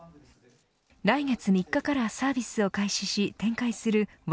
来月３日からサービスを開始し、展開するＹ！